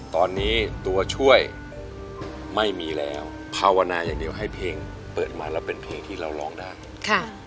ตอนนี้ตัวช่วยไม่มีแล้วภาวนาอย่างเดียวให้เพลงเปิดมาแล้วเป็นเพลงที่เราร้องได้ค่ะ